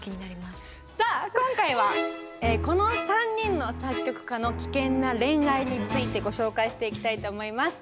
さあ今回はこの３人の作曲家の危険な恋愛についてご紹介していきたいと思います。